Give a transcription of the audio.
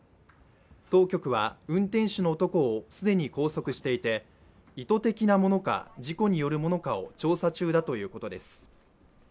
当局は運転手の男を既に拘束していて、意図的なものか事故によるものかを調査中だということです。